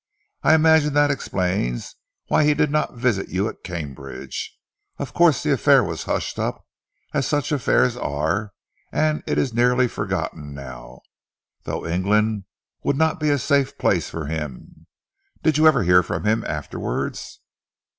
I imagine that explains why he did not visit you at Cambridge. Of course, the affair was hushed up, as such affairs are, and it is nearly forgotten now, though England would not be a safe place for him. Did you ever hear from him afterwards?"